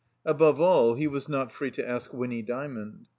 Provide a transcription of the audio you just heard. Above all, he was not free to ask Winny Dymond.